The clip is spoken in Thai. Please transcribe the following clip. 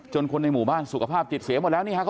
คนในหมู่บ้านสุขภาพจิตเสียหมดแล้วนี่ฮะ